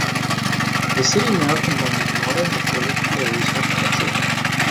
The city now combines modern with old faries architecture.